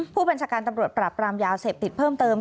ผู้บัญชาการตำรวจปราบรามยาเสพติดเพิ่มเติม